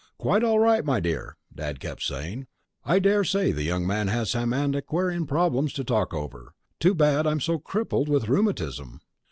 "Quite all right, my dear," Dad kept saying. "I dare say the young man has some antiquarian problems to talk over. Too bad I'm so crippled with rheumatism."